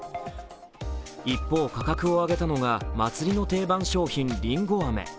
一方、価格を上げたのが祭りの定番商品、りんごあめ。